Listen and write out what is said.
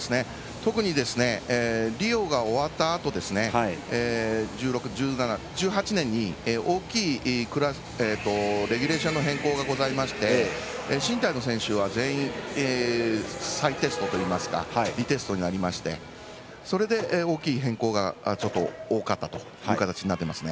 特にリオが終わったあと１８年に大きいレギュレーションの変更がございまして身体の選手は全員、再テストというかリテストになりましてそれで大きい変更が多かったという形になってますね。